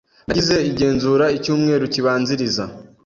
Nagize igenzura icyumweru kibanziriza.